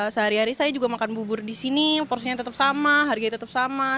sehari hari saya juga makan bubur di sini porsinya tetep sama harganya tetep sama